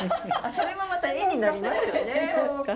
それもまた絵になりますよね。